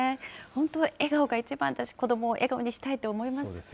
本当、笑顔がいちばんだし、子どもを笑顔にしたいと思います。